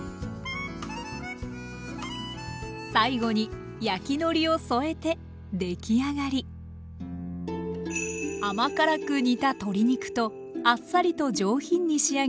最後に焼きのりを添えて出来上がり甘辛く煮た鶏肉とあっさりと上品に仕上げたつゆの味。